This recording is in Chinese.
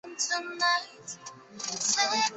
罗氏绶草伯爵的名字命名。